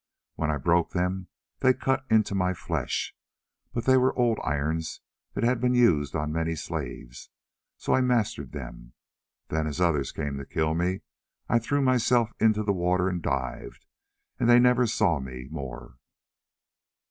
When I broke them they cut into my flesh, but they were old irons that had been on many slaves, so I mastered them. Then as others came to kill me I threw myself into the water and dived, and they never saw me more.